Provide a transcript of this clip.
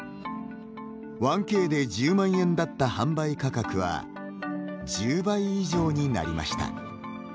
１Ｋで１０万円だった販売価格は１０倍以上になりました。